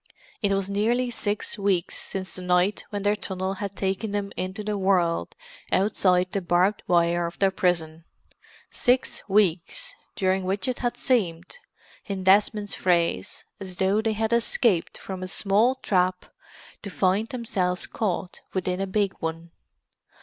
It was nearly six weeks since the night when their tunnel had taken them into the world outside the barbed wire of their prison; six weeks during which it had seemed, in Desmond's phrase, as though they had escaped from a small trap to find themselves caught within a big one.